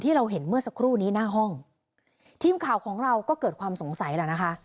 เราเห็นเมื่อสักครู่นี้หน้าห้องทีมข่าวของเราก็เกิดความสงสัยแล้วนะคะ